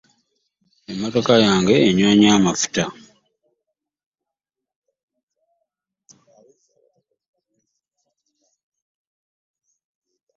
Emmotoka yange enywa nnyo amafuta.